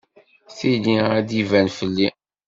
Tili ad d-iban fell-i.